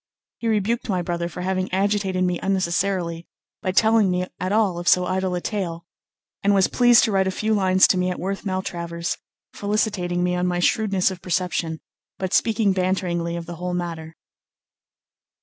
He rebuked my brother for having agitated me unnecessarily by telling me at all of so idle a tale; and was pleased to write a few lines to me at Worth Maltravers, felicitating me on my shrewdness of perception, but speaking banteringly of the whole matter.